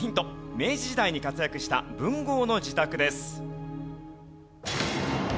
明治時代に活躍した文豪の自宅です。